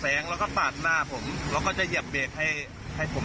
เป็นกระบะประตูฝั่งครับจำตะเบียนได้ไหม